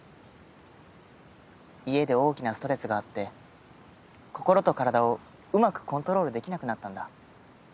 家で大きなストレスがあって心と体をうまくコントロールできなくなったんだ。